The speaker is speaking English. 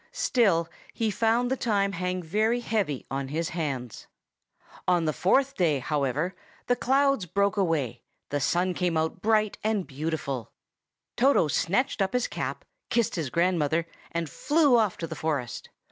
still he found the time hang very heavy on his hands. On the fourth day, however, the clouds broke away, and the sun came out bright and beautiful. Toto snatched up his cap, kissed his grandmother, and flew off to the forest.